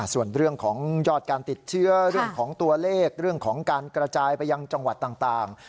ส่วนเรื่องของยอดการติดเชื้อเรื่องของตัวเลขเรื่องของการกระจายไปยังจังหวัดต่าง